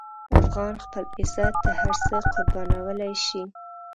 افغان خپل عزت ته هر څه قربانولی شي.